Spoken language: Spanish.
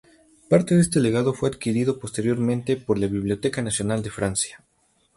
Parte de este legado fue adquirido posteriormente por la Biblioteca Nacional de Francia.